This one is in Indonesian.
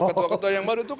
ketua ketua yang baru itu